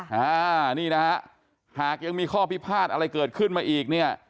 ค่ะนี่นะหากยังมีข้อพิพาทอะไรเกิดขึ้นมาอีก